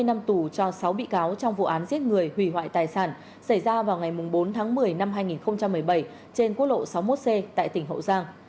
hai mươi năm tù cho sáu bị cáo trong vụ án giết người hủy hoại tài sản xảy ra vào ngày bốn tháng một mươi năm hai nghìn một mươi bảy trên quốc lộ sáu mươi một c tại tỉnh hậu giang